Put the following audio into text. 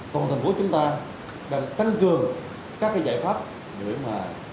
công an thành phố chúng ta đang tăng cường các cái giải pháp để mà